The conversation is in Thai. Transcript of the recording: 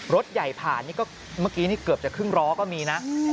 รถใหญ่ผ่านเมื่อกี้เกือบจะครึ่งร้อก็มีนะ